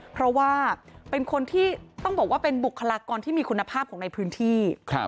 เพราะว่าเป็นคนที่ต้องบอกว่าเป็นบุคลากรที่มีคุณภาพของในพื้นที่